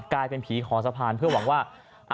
กลายเป็นผีขอสะพานเพื่อหวังว่า